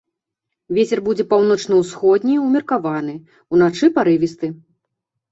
Вецер будзе паўночна-ўсходні ўмеркаваны, уначы парывісты.